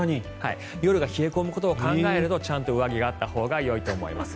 夜が冷え込むことを考えるとちゃんと上着があったほうがいいと思います。